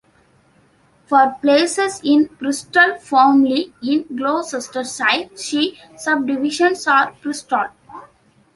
For places in Bristol formerly in Gloucestershire, see Subdivisions of Bristol.